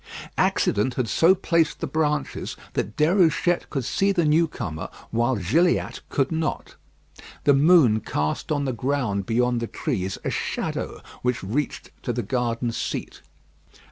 Accident had so placed the branches, that Déruchette could see the newcomer while Gilliatt could not. The moon cast on the ground beyond the trees a shadow which reached to the garden seat.